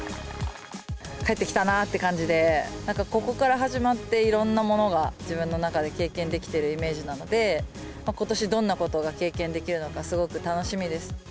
帰ってきたなという感じで、なんかここから始まって、いろんなものが、自分の中で経験できてるイメージなので、ことし、どんなことが経験できるのか、すごく楽しみです。